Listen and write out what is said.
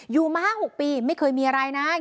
อยู่มา๕๖ปีไม่เคยมีอะไรนะ